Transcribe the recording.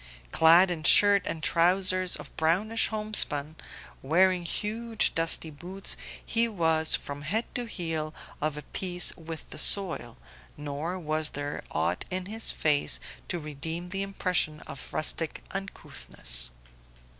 Clad in shirt and trousers of brownish homespun, wearing huge dusty boots, he was from head to heel of a piece with the soil, nor was there aught in his face to redeem the impression of rustic uncouthness.